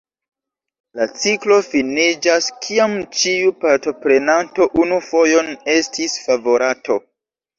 La ciklo finiĝas kiam ĉiu partoprenanto unu fojon estis favorato.